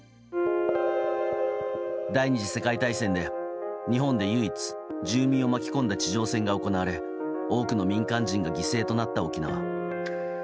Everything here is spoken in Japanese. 第２次世界大戦で日本で唯一住民を巻き込んだ地上戦が行われ多くの民間人が犠牲となった沖縄。